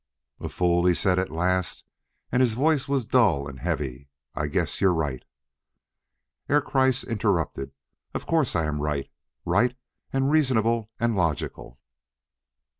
"A fool!" he said at last, and his voice was dull and heavy. "I guess you're right " Herr Kreiss interrupted: "Of course I am right right and reasonable and logical!"